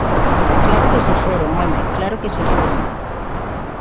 ¡Claro que se foron, home, claro que se foron!